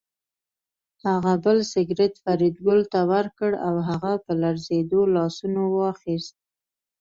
هغه بل سګرټ فریدګل ته ورکړ او هغه په لړزېدلو لاسونو واخیست